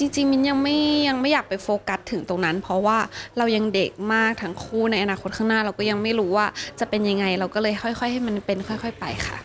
มิ้นยังไม่อยากไปโฟกัสถึงตรงนั้นเพราะว่าเรายังเด็กมากทั้งคู่ในอนาคตข้างหน้าเราก็ยังไม่รู้ว่าจะเป็นยังไงเราก็เลยค่อยให้มันเป็นค่อยไปค่ะ